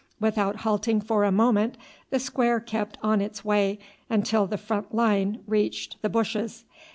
Without halting for a moment the square kept on its way until the front line reached the bushes.